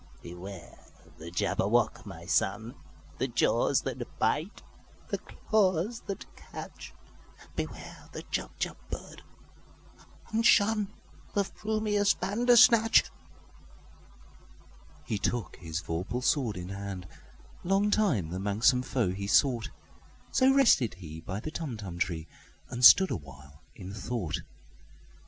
"Beware the Jabberwock, my son! The jaws that bite, the claws that catch! Beware the Jubjub bird, and shunThe frumious Bandersnatch!"He took his vorpal sword in hand:Long time the manxome foe he sought—So rested he by the Tumtum tree, And stood awhile in thought.